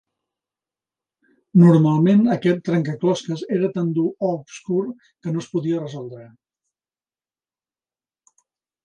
Normalment, aquest trencaclosques era tan dur o obscur, que no es podia resoldre.